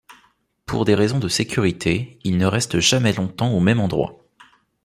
Pour des raisons de sécurité il ne reste jamais longtemps au même endroit.